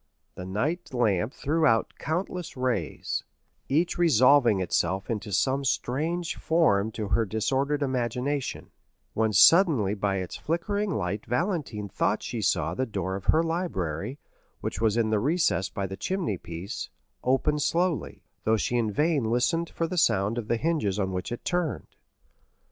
The night lamp threw out countless rays, each resolving itself into some strange form to her disordered imagination, when suddenly by its flickering light Valentine thought she saw the door of her library, which was in the recess by the chimney piece, open slowly, though she in vain listened for the sound of the hinges on which it turned.